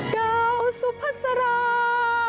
ดาวสุพศรา